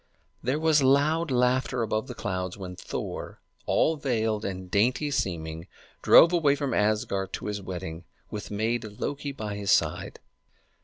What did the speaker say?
There was loud laughter above the clouds when Thor, all veiled and dainty seeming, drove away from Asgard to his wedding, with maid Loki by his side.